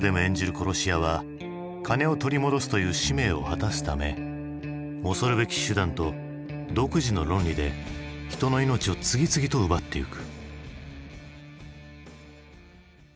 殺し屋はカネを取り戻すという使命を果たすため恐るべき手段と独自の論理で人の命を次々と奪ってゆく。